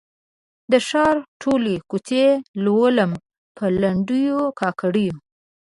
د ښار ټولي کوڅې لولم په لنډېو، کاکړیو